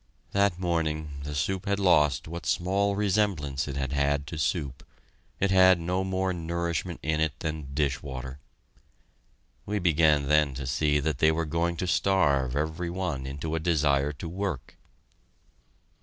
That morning the soup had lost what small resemblance it had had to soup it had no more nourishment in it than dishwater. We began then to see that they were going to starve every one into a desire to work.